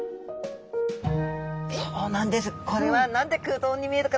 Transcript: そうなんです。